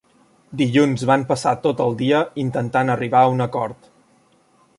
Dilluns van passar tot el dia intentant arribar a un acord.